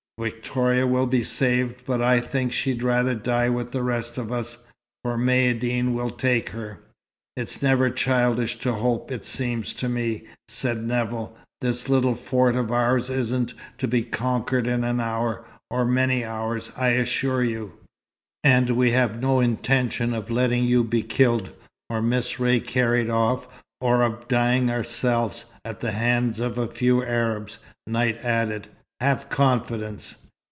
Victoria will be saved, but I think she'd rather die with the rest of us, for Maïeddine will take her." "It's never childish to hope, it seems to me," said Nevill. "This little fort of ours isn't to be conquered in an hour, or many hours, I assure you." "And we have no intention of letting you be killed, or Miss Ray carried off, or of dying ourselves, at the hands of a few Arabs," Knight added. "Have confidence."